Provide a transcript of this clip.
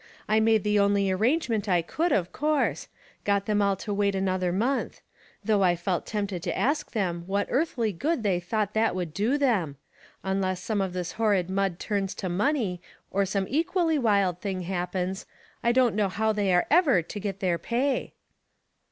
I made the only arrangement I could, of course. Got them all to wait another month ; though I felt tempted to ask them what earthly good they thought that would do them. Unless some of this horrid mud turns to money or some equally wild thing happens, I don't know how they are ever to get their pay."